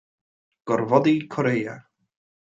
Gorfodi Corea.